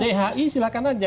dari dhi silakan aja